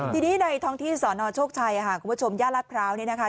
ทีนี้ในท้องที่สนโชคชัยคุณผู้ชมยาลาภราวเนี่ยนะคะ